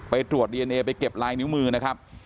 ตรวจดีเอนเอไปเก็บลายนิ้วมือนะครับ